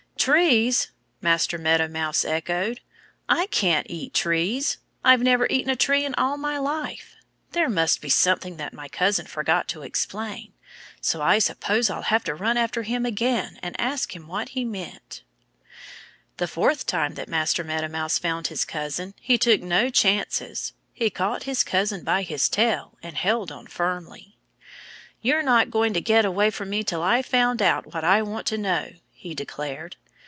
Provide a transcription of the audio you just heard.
"Trees!" Master Meadow Mouse echoed. "I can't eat trees. I've never eaten a tree in all my life. There must be something that my cousin forgot to explain. So I suppose I'll have to run after him again and ask him what he meant." The fourth time that Master Meadow Mouse found his cousin he took no chances. He caught his cousin by his tail and held on firmly. "You're not going to get away from me till I've found out what I want to know," he declared.